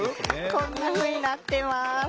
こんなふうになっています。